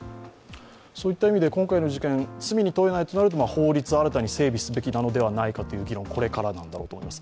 今回の事件、罪に問えないとなると法律を新たに整備すべきなのではないかという議論、これからです。